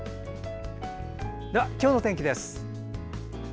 では今日の天気です。